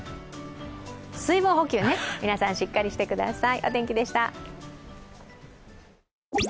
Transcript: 水分補給、皆さんしっかりしてください。